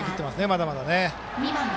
まだまだ。